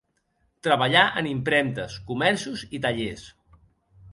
Treballà en impremtes, comerços i tallers.